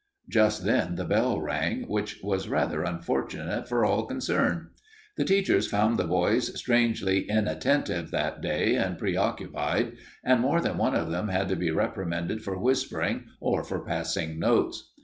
Just then the bell rang, which was rather unfortunate for all concerned. The teachers found the boys strangely inattentive that day and preoccupied, and more than one of them had to be reprimanded for whispering or for passing notes.